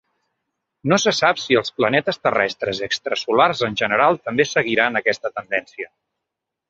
No se sap si els planetes terrestres extrasolars en general també seguiran aquesta tendència.